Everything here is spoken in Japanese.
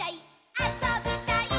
あそびたいっ！！」